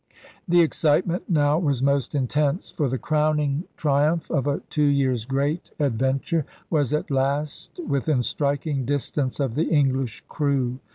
The excitement now was most intense; for the crowning triumph of a two years' great adven ture was at last within striking distance of the English crew.